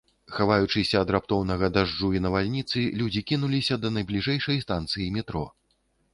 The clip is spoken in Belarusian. Хаваючыся ад раптоўнага дажджу і навальніцы, людзі кінуліся да найбліжэйшай станцыі метро.